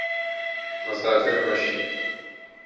مسافر مه شي